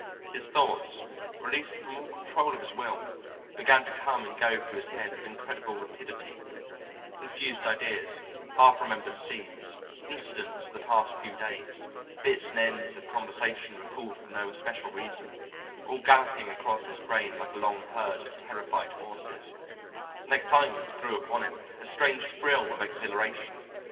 His thoughts, released from all control of his will, began to come and go through his head with incredible rapidity, confused ideas, half remembered scenes, incidents of the past few days, bits and ends of conversation recalled for no especial reason, all galloping across his brain like a long herd of terrified horses; an excitement grew upon him, a strange thrill of exhilaration.